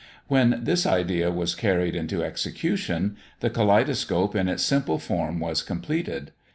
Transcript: When this idea was carried into execution, the kaleidoscope in its simple form was completed.